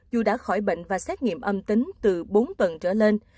dù đã khỏi bệnh và xét nghiệm âm tính từ bốn tuần trở lên